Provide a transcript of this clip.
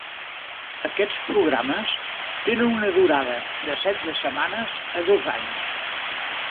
Aquests programes tenen una durada de setze setmanes a dos anys.